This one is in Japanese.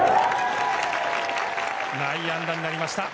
内野安打になりました。